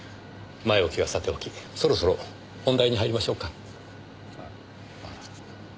前置きはさておきそろそろ本題に入りましょうか。